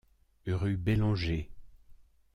Rue Bellanger.